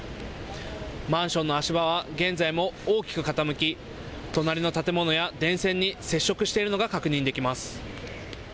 マンションの足場は現在も大きく傾き隣の建物や電線に接触しているのが確認できます。